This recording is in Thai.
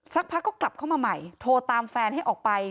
สักพักก็กลับเข้ามาใหม่โทรตามแฟนให้ออกไป